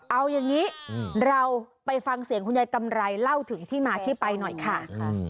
เอาอย่างนี้เราไปฟังเสียงคุณยายกำไรเล่าถึงที่มาที่ไปหน่อยค่ะ